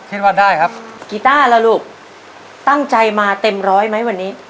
คิดว่าได้ครับกีต้าล่ะลูกตั้งใจมาเต็มร้อยไหมวันนี้